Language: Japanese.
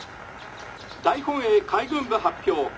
大本営海軍部発表。